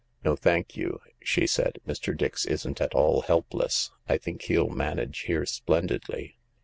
" No, thank you," she said. " Mr. Dix isn't at all help less. I think he'll manage here splendidly.